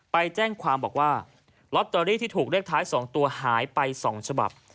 ไปแจ้งความบอกว่าล็อตเตอรี่ที่ถูกเลือกถ่ายสองตัวหายไปสองฉบับ